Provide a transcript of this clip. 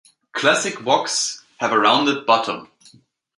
Classic woks have a rounded bottom.